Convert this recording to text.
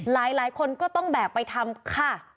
หลายคนก็ต้องแบกไปทำค่ะ